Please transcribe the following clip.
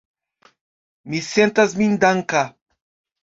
Mi sentas min danka.